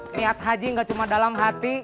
niat haji gak cuma dalam hati